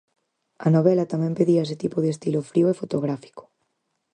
A novela tamén pedía ese tipo de estilo frío e fotográfico.